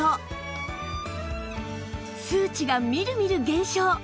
数値がみるみる減少！